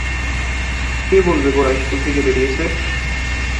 কে বলবে গোরা ইস্কুল থেকে বেরিয়েছে!